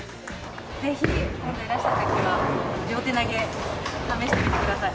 ぜひ今度いらした時は両手投げ試してみてください。